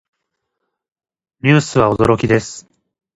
ニュースは驚きです。